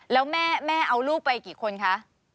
แล้วแม่เอาลูกไปกี่คนคะ